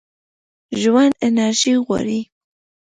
ژوند انرژي غواړي.